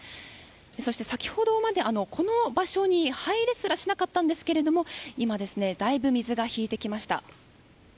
先ほどこの場所には入れすらしなかったんですが今、だいぶ水が引いてきました。